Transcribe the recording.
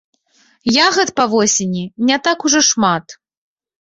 Ягад па восені не так ужо шмат.